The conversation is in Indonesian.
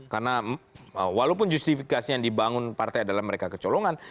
karena walaupun justifikasi yang dibangun partai adalah mereka kecolongan